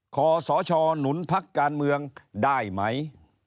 ขอสชหนุนพักการเมืองได้ไหม